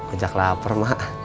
ajak lapar mak